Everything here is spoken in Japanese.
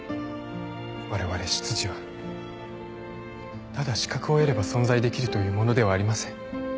われわれ執事はただ資格を得れば存在できるというものではありません。